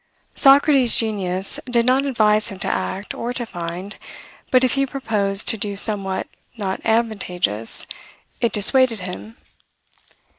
Socrates' Genius did not advise him to act or to find, but if he proposed to do somewhat not advantageous, it dissuaded him.